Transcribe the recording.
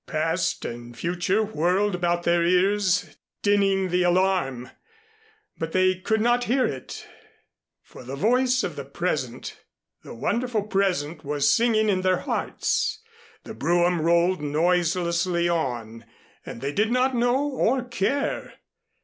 Past and Future whirled about their ears, dinning the alarm, but they could not hear it, for the voice of the present, the wonderful present was singing in their hearts. The brougham rolled noiselessly on, and they did not know or care.